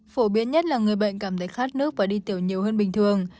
phổ biến nhất là người bệnh cảm thấy khát nước và đi tiểu nhiều hơn bình thường